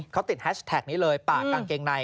เขาติดแฮชแท็กนี้เลยปากกางเกงใน